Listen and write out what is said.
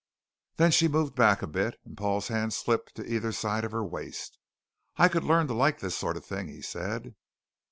Then she moved back a bit, and Paul's hands slipped to either side of her waist. "I could learn to like this sort of thing," he said.